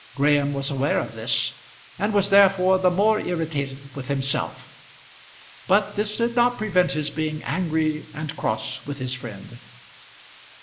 Graham was aware of this, and was therefore the more irritated with himself. But this did not prevent his being angry and cross with his friend.